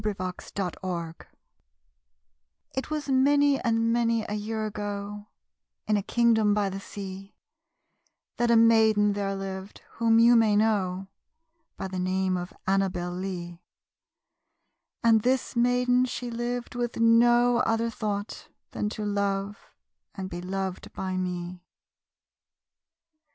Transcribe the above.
_ Annabel Lee It was many and many a year ago, In a kingdom by the sea, That a maiden there lived whom you may know By the name of Annabel Lee; And this maiden she lived with no other thought Than to love and be loved by me.